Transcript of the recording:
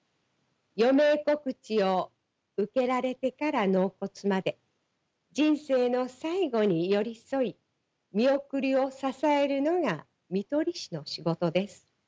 余命告知を受けられてから納骨まで人生の最期に寄り添い見送りを支えるのが看取り士の仕事です。